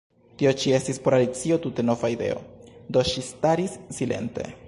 Tio ĉi estis por Alicio tute nova ideo; do ŝi staris silente.